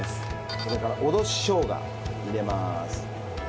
それからおろししょうが入れまーす。